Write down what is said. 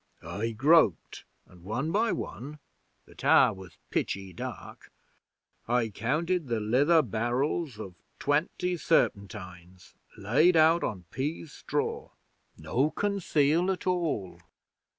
'I groped, and one by one the tower was pitchy dark I counted the lither barrels of twenty serpentines laid out on pease straw. No conceal at all!